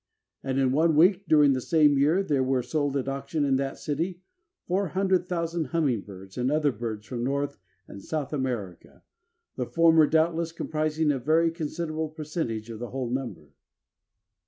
"And in one week during the same year there were sold at auction, in that city, four hundred thousand hummingbirds and other birds from North and South America, the former doubtless comprising a very considerable percentage of the whole number."